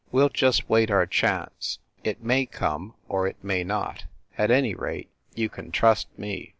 We ll just wait our chance. It may come, or it may not! At any rate, you can trust me!"